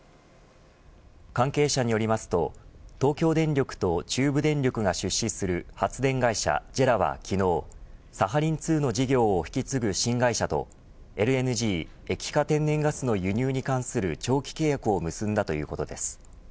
関係者によりますと東京電力と中部電力が出資する発電会社ＪＥＲＡは昨日サハリン２の事業を引き継ぐ新会社とＬＮＧ液化天然ガスの輸入に関する長期契約を結んだということです。